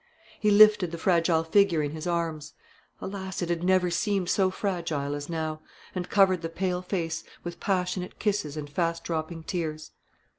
He lifted the fragile figure in his arms, alas! it had never seemed so fragile as now, and covered the pale face with passionate kisses and fast dropping tears.